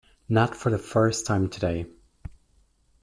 Not for the first time today.